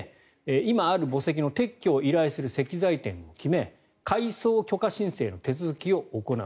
今ある墓石の撤去を依頼する石材店を決め改葬許可申請の手続きを行う。